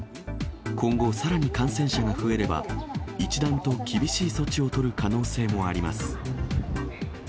今後、さらに感染者が増えれば、一段と厳しい措置を取る可能性もあります。